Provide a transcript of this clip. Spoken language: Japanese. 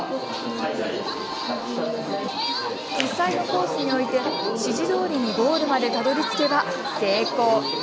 実際のコースに置いて指示どおりにゴールまでたどりつけば成功。